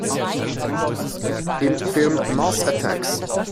Im Film "Mars Attacks!